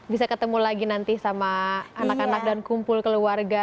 bisa ketemu lagi nanti sama anak anak dan kumpul keluarga